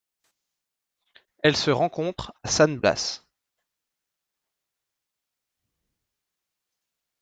Elle se rencontre à San Blas.